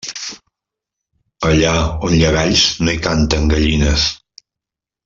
Allà on hi ha galls, no hi canten gallines.